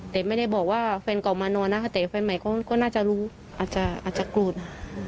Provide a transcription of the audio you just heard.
แต่ไม่ได้บอกว่าแฟนเก่ามานอนนะคะแต่แฟนใหม่ก็น่าจะรู้อาจจะโกรธ